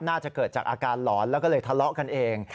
น่าจะเกิดจากอาการหลอนแล้วก็เลยทะเลาะกันเอง